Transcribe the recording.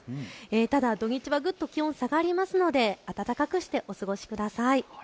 ただ土日はぐっと気温下がりますので暖かくしてお過ごしください。